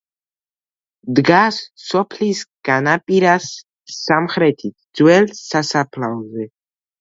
დგას სოფლის განაპირას, სამხრეთით, ძველ სასაფლაოზე.